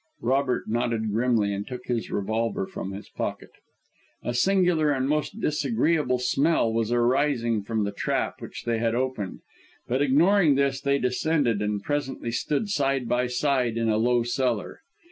Robert nodded grimly, and took his revolver from his pocket. A singular and most disagreeable smell was arising from the trap which they had opened; but ignoring this they descended, and presently stood side by side in a low cellar.